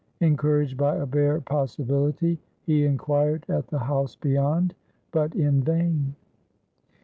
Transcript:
Encouraged by a bare possibility, he inquired at the house beyond; but in vain.